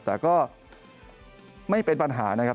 แต่ก็ไม่เป็นปัญหานะครับ